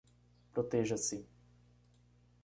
Proteja-se